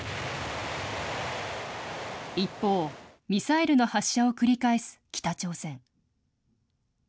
一方、ミサイルの発射を繰り返す北朝鮮。